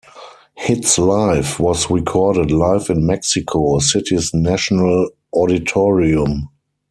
HitsLive was recorded live in Mexico City's National Auditorium.